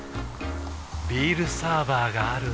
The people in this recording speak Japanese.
ビールサーバーがある夏。